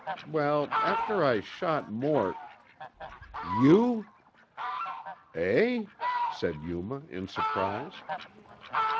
well, after I shot Mort " "You?" "Eh?" said Yuma in surprise.